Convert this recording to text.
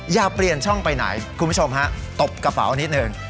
อย่าเปลี่ยนช่องไปไหนคุณผู้ชมฮะตบกระเป๋านิดหนึ่ง